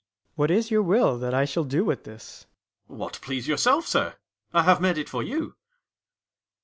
Ant. S. What is your will that I shall do with this? Ang. What please yourself, sir: I have made it for you.